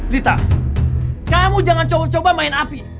lita kamu jangan coba coba main api